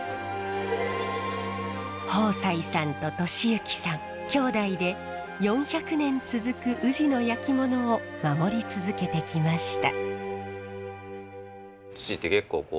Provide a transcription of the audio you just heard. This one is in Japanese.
豊斎さんと俊幸さん兄弟で４００年続く宇治の焼き物を守り続けてきました。